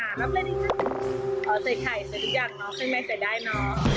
นับเล่นอีกนิดนึงอ๋อใส่ไข่ใส่ทุกอย่างเนาะใครไม่ใส่ได้เนาะ